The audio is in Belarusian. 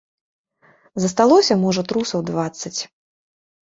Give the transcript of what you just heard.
Засталося, можа, трусаў дваццаць.